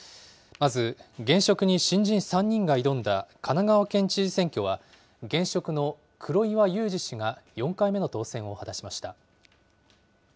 まず、現職に新人３人が挑んだ神奈川県知事選挙は、現職の黒岩祐治氏が４回目の当選を果たしました。